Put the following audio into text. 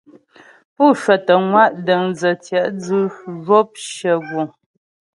Pú cwətə ŋwa' dəndzə̀ tyɛ̌'dzʉ zhwɔp shyə guŋ.